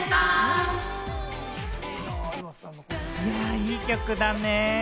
いい曲だね。